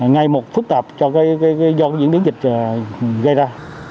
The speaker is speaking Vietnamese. ngay một phức tạp do diễn biến dịch gây ra